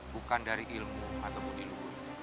bukan dari ilmu ataupun ilmu